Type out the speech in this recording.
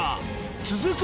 続く